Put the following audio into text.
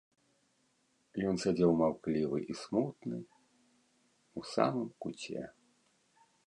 Ён сядзеў маўклівы і смутны, у самым куце.